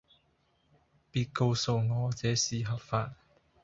別告訴我這是合法